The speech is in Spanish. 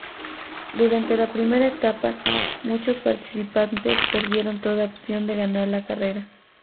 Durante la primera etapa, muchos participantes perdieron toda opción de ganar la carrera.